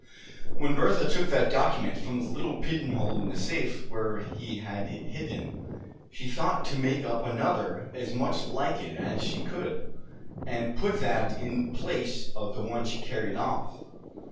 "When Bertha took that document from the little pigeonhole in the safe where he had it hidden, she thought to make up another as much like it as she could, and put that in place of the one she carried off.